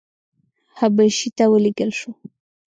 حبشې ته ولېږل شو.